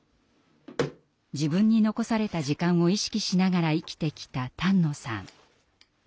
自分に残された時間を意識しながら生きてきた丹野さん。